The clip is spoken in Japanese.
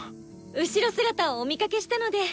後ろ姿をお見かけしたので。